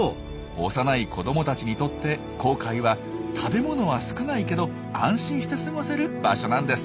幼い子どもたちにとって紅海は食べ物は少ないけど安心して過ごせる場所なんです。